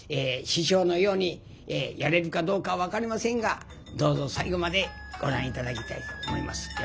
師匠のようにやれるかどうか分かりませんがどうぞ最後までご覧頂きたいと思います。